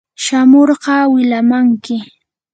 shamurqa wilamanki.